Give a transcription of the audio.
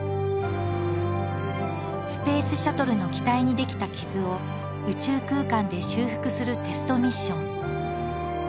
スペースシャトルの機体に出来た傷を宇宙空間で修復するテストミッション。